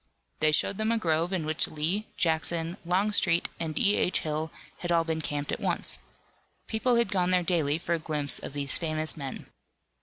They showed them a grove in which Lee, Jackson, Longstreet and D. H. Hill had all been camped at once. People had gone there daily for a glimpse of these famous men.